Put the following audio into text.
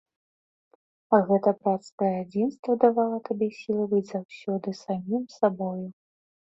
Гэта брацкае адзінства давала табе сілы быць заўсёды самім сабою.